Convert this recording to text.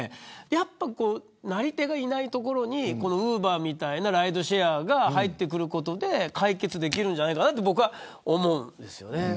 やっぱりなり手がいないところにウーバーみたいなライドシェアが入ってくることで解決できるんじゃないかと僕は思うんです。